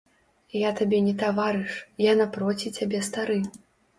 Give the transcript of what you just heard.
Я табе не таварыш, я напроці цябе стары.